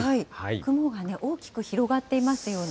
雲が大きく広がっていますよね。